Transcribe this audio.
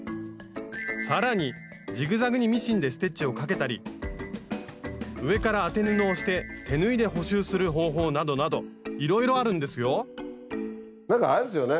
更にジグザグにミシンでステッチをかけたり上から当て布をして手縫いで補修する方法などなどいろいろあるんですよなんかあれですよね